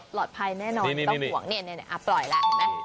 ปล่อยแน่นอนไม่ต้องห่วงปล่อยละ